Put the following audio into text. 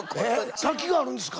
滝があるんすか？